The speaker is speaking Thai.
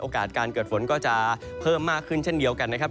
การเกิดฝนก็จะเพิ่มมากขึ้นเช่นเดียวกันนะครับ